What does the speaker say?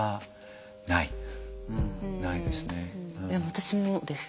私もです。